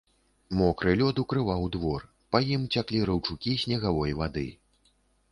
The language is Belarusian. Мокры лёд укрываў двор, па ім цяклі раўчукі снегавой вады.